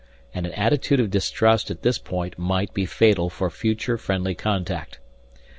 And an attitude of distrust at this point might be fatal for future friendly contact.